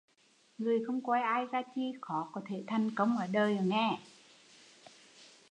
Người không coi ai ra chi khó có thể thành công ở đời